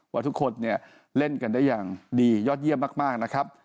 ว่าทุกคนเนี่ยเล่นกันได้อย่างดียอดเยี่ยมมากนะครับ